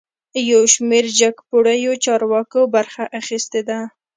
یوشمیر جګپوړیو چارواکو برخه اخیستې ده